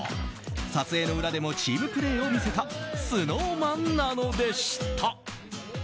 撮影の裏でもチームプレーを見せたＳｎｏｗＭａｎなのでした。